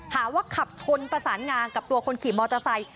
หาว่าขับชนประสานงากับตัวคนขี่มอเตอร์ไซค